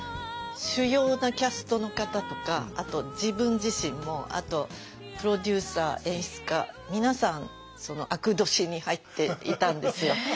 主要なキャストの方とかあと自分自身もあとプロデューサー演出家皆さん悪年に入っていたんですよ。